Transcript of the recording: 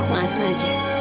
aku gak sengaja